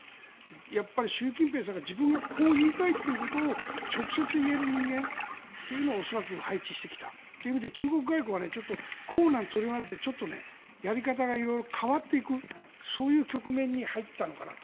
やっぱり習近平さんが自分がこう言いたいということを直接言える人間というのを恐らく配置してきたという意味で中国外交は硬軟織り交ぜてやり方が変わっていくそういう局面に入ったのかなと。